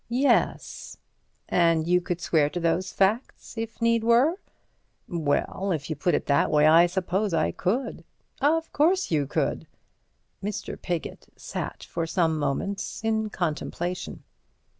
"Yes." "And you could swear to those facts, if need were?" "Well, if you put it that way, I suppose I could." "Of course you could." Mr. Piggott sat for some moments in contemplation.